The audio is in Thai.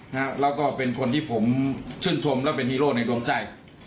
แล้วก็เป็นคนที่ผมชื่นชมและเป็นฮีโร่ในดวงใจ